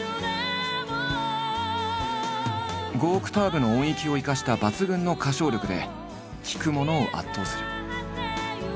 ５オクターブの音域を生かした抜群の歌唱力で聴く者を圧倒する。